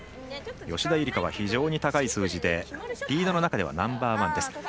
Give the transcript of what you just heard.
吉田夕梨花は非常に高い数字でリードの中ではナンバーワンです。